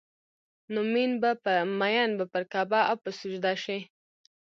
نو مين به پر کعبه او په سجده شي